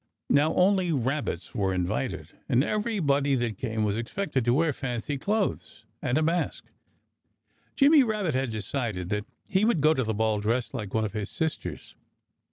Now, only rabbits were invited. And everybody that came was expected to wear fancy clothes, and a mask. Jimmy Rabbit had decided that he would go to the Ball dressed like one of his sisters.